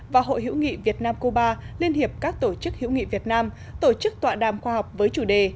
và hội hữu nghị việt nam cuba liên hiệp các tổ chức hữu nghị việt nam tổ chức tọa đàm khoa học với chủ đề